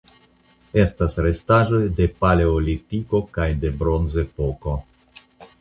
Estas restaĵoj de Paleolitiko kaj de Bronzepoko.